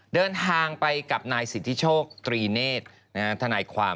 เดินทางไปกับนายสิทธิโชคตรีเนธทนายความ